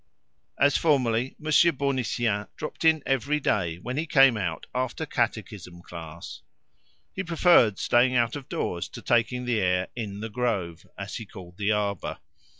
As formerly, Monsieur Bournisien dropped in every day when he came out after catechism class. He preferred staying out of doors to taking the air "in the grove," as he called the arbour.